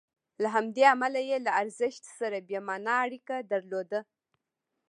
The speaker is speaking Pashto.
له همدې امله یې له ارزښت سره بې معنا اړیکه درلوده.